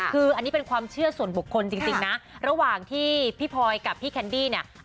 คืออันนี้เป็นความเชื่อส่วนบุคคลจริงนะระหว่างที่พี่พลอยกับพี่แคนดี้เนี่ย